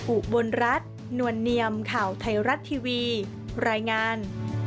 อุบลรัฐนวลเนียมข่าวไทยรัฐทีวีรายงาน